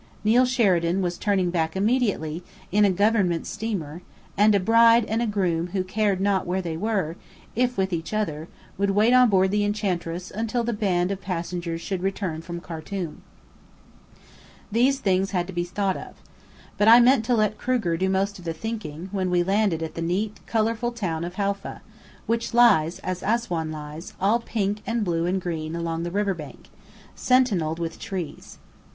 Neill Sheridan was turning back immediately, in a government steamer; and a bride and groom who cared not where they were, if with each other, would wait on board the Enchantress until the band of passengers should return from Khartum. These things had to be thought of. But I meant to let Kruger do most of the thinking, when we landed at the neat, colourful town of Halfa, which lies (as Assuan lies) all pink and blue and green along the river bank, sentinelled with trees.